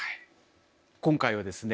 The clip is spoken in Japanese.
今回はですね